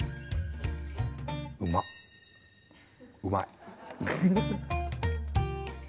うまい。